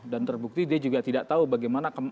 dan terbukti dia juga tidak tahu bagaimana